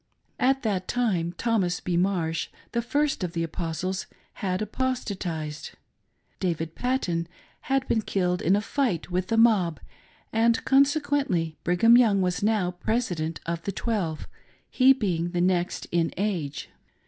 At that time Thomas B. Marsh, the first of the Apostles, had apostatised ; David Patten had been killed in a fight with the mob ; and, consequently, Brigham Young was now Presi dent of the Twelve— he being the next in age.